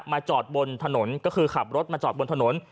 จอดบนถนนก็คือขับรถมาจอดบนถนน